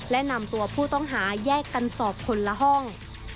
และนำตัวผู้ต้องหาแยกกันสอบคนละห้อง